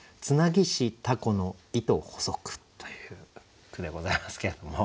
という句でございますけれども。